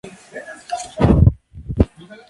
Fue muy amigo de Tita Tamames.